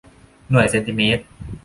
หน่วยเซนติเมตร